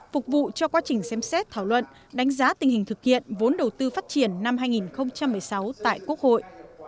phục vụ cho quá trình xem xét thảo luận đánh giá tình hình thực hiện vốn đầu tư phát triển năm hai nghìn một mươi sáu tại quốc hội